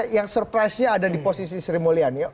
yang surprise nya ada di posisi sri mulyani